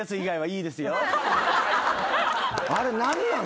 あれ何なん？